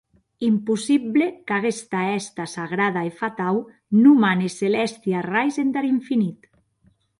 Impossible qu’aguesta hèsta sagrada e fatau non mane celèsti arrais entar infinit.